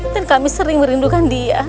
dan kami sering merindukan dia